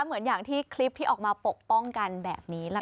เหมือนอย่างที่คลิปที่ออกมาปกป้องกันแบบนี้แหละค่ะ